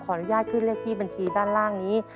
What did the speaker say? อนุญาตขึ้นเลขที่บัญชีด้านล่างนี้